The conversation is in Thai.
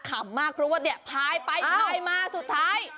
ขำมากเพราะว่าเนี่ยพายไปพายมาสุดท้าย